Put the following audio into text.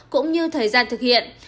cũng như thời gian thực hiện